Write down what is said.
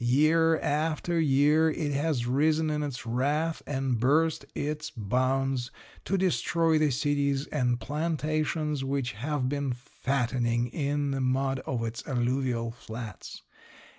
Year after year it has risen in its wrath and burst its bounds to destroy the cities and plantations which have been fattening in the mud of its alluvial flats.